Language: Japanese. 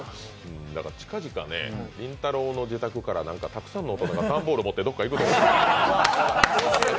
近々、りんたろーの自宅からたくさんの大人が段ボール持ってどこかへ行くと思います。